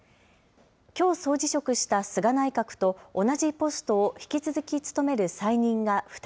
きょう総辞職した菅内閣と同じポストを引き続き務める再任が２人。